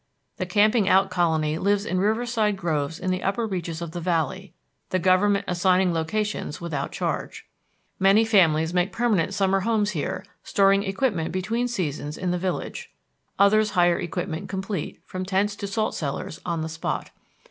The camping out colony lives in riverside groves in the upper reaches of the Valley, the Government assigning locations without charge. Many families make permanent summer homes here, storing equipment between seasons in the village. Others hire equipment complete, from tents to salt cellars, on the spot.